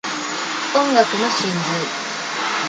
音楽の真髄